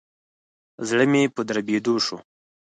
زړه مي په دربېدو شو.